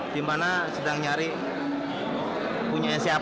di mana sedang nyari punya siapa